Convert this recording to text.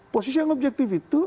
posisi yang objektif itu